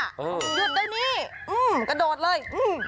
หยุดได้นี่กระโดดเลย